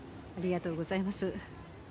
ありがとうございます。